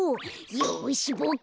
よしボクも。